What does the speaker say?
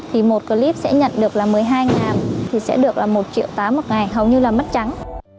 thì một clip sẽ nhận được là một mươi hai thì sẽ được là một triệu tám một ngày hầu như là mất trắng